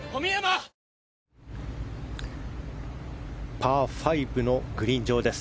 パー５のグリーン上です。